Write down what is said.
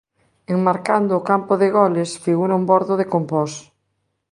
Enmarcando o campo de goles figura un bordo de compós.